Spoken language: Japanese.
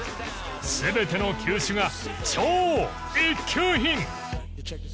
全ての球種が超一級品。